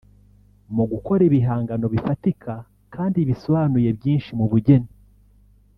mu gukora ibihangano bifatika kandi bisobanuye byinshi mu bugeni